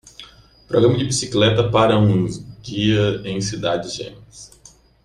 Programa de bicicleta para um dia em cidades gêmeas